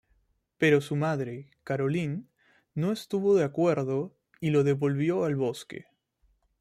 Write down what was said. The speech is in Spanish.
Pero su madre, Caroline, no estuvo de acuerdo y lo devolvió al bosque.